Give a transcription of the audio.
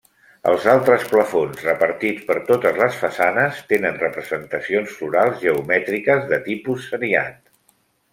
Els altres plafons repartits per totes les façanes, tenen representacions florals geomètriques de tipus seriat.